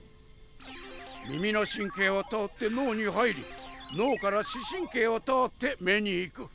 耳の神経を通って脳に入り脳から視神経を通って目に行く。